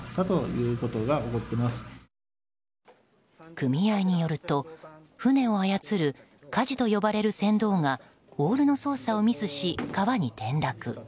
組合によると船を操るかじと呼ばれる船頭がオールの操作をミスし川に転落。